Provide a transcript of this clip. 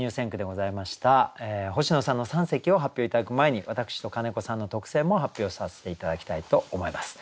星野さんの三席を発表頂く前に私と金子さんの特選も発表させて頂きたいと思います。